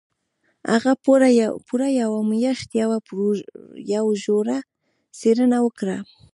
هغه پوره يوه مياشت يوه ژوره څېړنه وکړه.